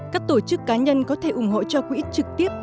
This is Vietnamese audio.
các tổ chức cá nhân có thể ủng hộ cho quỹ trực tiếp